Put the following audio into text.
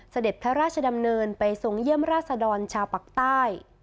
เสด็จพระราชดำเนินไปทรงเยี่ยมราชดรชาวปากใต้